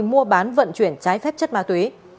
mua bán vận chuyển trái phép chất ma túy